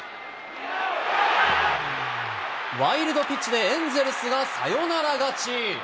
ワイルドピッチで、エンゼルスがサヨナラ勝ち。